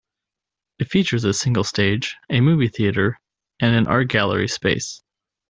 It features a single stage, a movie theatre, and an art gallery space.